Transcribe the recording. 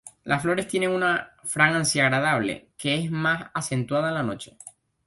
Las flores tienen una fragancia agradable, que es más acentuada en la noche.